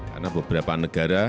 karena beberapa negara